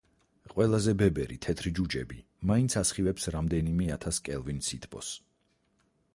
ყველაზე ბებერი თეთრი ჯუჯები მაინც ასხივებს რამდენიმე ათას კელვინ სითბოს.